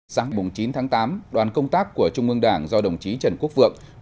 sáng chín tháng tám đoàn công tác của trung ương đảng do đồng chí trần quốc vượng